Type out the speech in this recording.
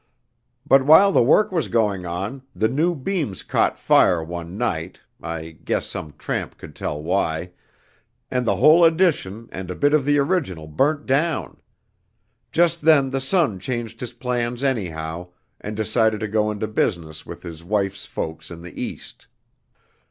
"But while the work was going on, the new beams caught fire one night (I guess some tramp could tell why) and the whole addition and a bit of the original burnt down. Just then the son changed his plans anyhow, and decided to go into business with his wife's folks in the East.